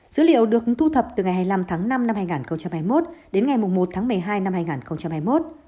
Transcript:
dữ liệu được thu thập từ ngày hai mươi năm tháng năm năm hai nghìn hai mươi một đến ngày một tháng một mươi hai năm hai nghìn hai mươi một